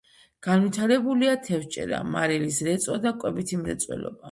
განვითარებულია თევზჭერა, მარილის რეწვა და კვებითი მრეწველობა.